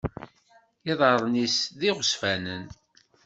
Iḍaṛṛen-is d iɣezzfanen.